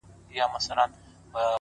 تا ويل پاتېږمه” خو ته راسره ښه پاته سوې”